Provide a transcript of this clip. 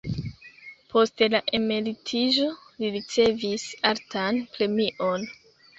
Post la emeritiĝo li ricevis altan premion.